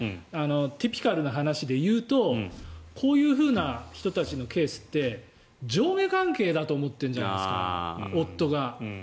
ティピカルな話で言うとこういう人たちのケースって上下関係だと思ってるじゃないですか、夫が。